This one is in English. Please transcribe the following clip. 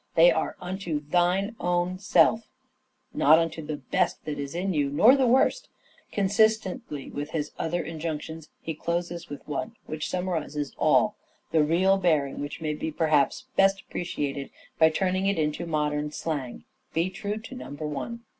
They are, " unto thine own self ;" not unto the best that is in you, nor the worst. Consistently with his other injunctions he closes with one which summarizes all, the real bearing of which may perhaps be best appreciated by turning it into modern slang : 472 "SHAKESPEARE' IDENTIFIED " Be true to ' number one.'